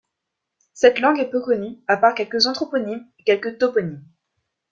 Cette langue est peu connue, à part quelques anthroponymes et quelques toponymes.